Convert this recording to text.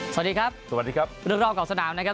สวัสดีครับสวัสดีครับเรื่องรอบขอบสนามนะครับ